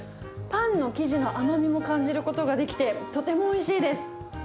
パンの生地の甘みも感じることができて、とてもおいしいです。